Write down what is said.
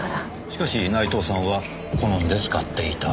しかし内藤さんは好んで使っていた。